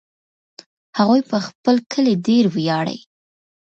هغوی په خپل کلي ډېر ویاړي